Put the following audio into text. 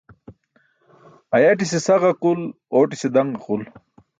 Ayatise sa ġaqul, ootise dan-ġaqul.